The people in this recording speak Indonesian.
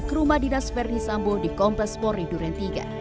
ke rumah dinas ferdis sambo di kompas polri durian tiga